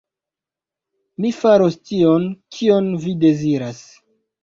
Mi faros tion, kion vi deziras.